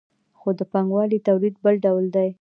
خو د پانګوالي تولید بل ډول دی.